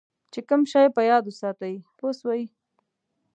چې کم شی په یاد وساتې پوه شوې!.